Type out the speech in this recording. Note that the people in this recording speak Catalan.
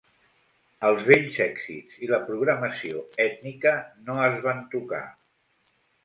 Els vells èxits i la programació ètnica no es van tocar.